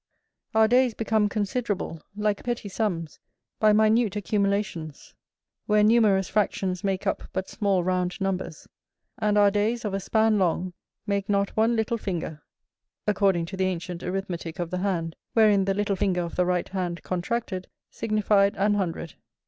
Our days become considerable, like petty sums, by minute accumulations: where numerous fractions make up but small round numbers; and our days of a span long, make not one little finger.[BQ] [BQ] According to the ancient arithmetick of the hand, wherein the little finger of the right hand contracted, signified an hundred.